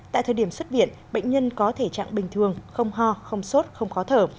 tại thời điểm xuất viện bệnh nhân có thể trạng bình thường không ho không sốt không khó thở